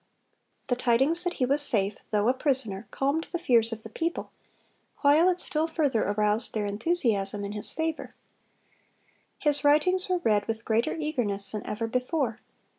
The tidings that he was safe, though a prisoner, calmed the fears of the people, while it still further aroused their enthusiasm in his favor. His writings were read with greater eagerness than ever before.